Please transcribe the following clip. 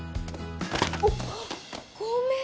おっごめん。